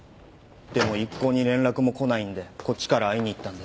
でも一向に連絡も来ないのでこっちから会いに行ったんです。